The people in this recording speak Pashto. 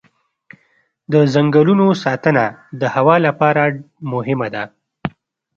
د ځنګلونو ساتنه د هوا لپاره مهمه ده.